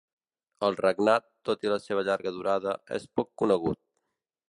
El regnat, tot i la seva llarga durada, és poc conegut.